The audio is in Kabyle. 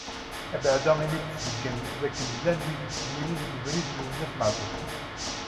Abeεda imi i d-tesbeyyen dakken llan wid yettkemmilen deg ubrid n Lwennas Meɛtub.